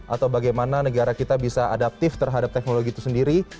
atau bagaimana negara kita bisa adaptif terhadap teknologi itu sendiri